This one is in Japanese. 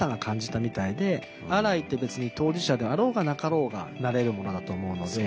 アライって別に当事者であろうがなかろうがなれるものだと思うので。